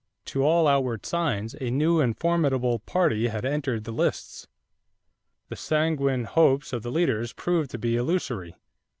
To all outward signs a new and formidable party had entered the lists. The sanguine hopes of the leaders proved to be illusory.